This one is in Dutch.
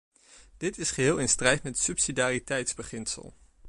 Dit is geheel in strijd met het subsidiariteitsbeginsel.